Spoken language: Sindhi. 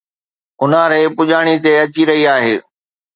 اونهاري پڄاڻي تي اچي رهي آهي